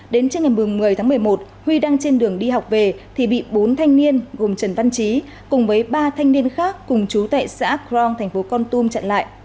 đến trưa ngày một mươi tháng một mươi một huy đang trên đường đi học về thì bị bốn thanh niên gồm trần văn trí cùng với ba thanh niên khác cùng chú tệ xã crong thành phố con tum chặn lại